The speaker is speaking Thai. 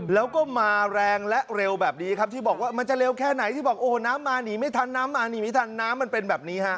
แล้วก็มาแรงและเร็วแบบนี้ครับที่บอกว่ามันจะเร็วแค่ไหนที่บอกโอ้โหน้ำมาหนีไม่ทันน้ำมาหนีไม่ทันน้ำมันเป็นแบบนี้ฮะ